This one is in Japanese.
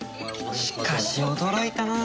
しかし驚いたな。